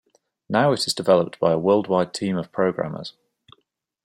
Now it is developed by a worldwide team of programmers.